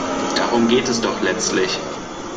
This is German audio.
Darum geht es doch letztlich.